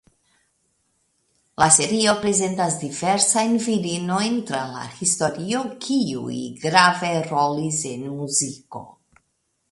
La serio prezentas diversajn virinojn tra la historio kiuj grave rolis en muziko.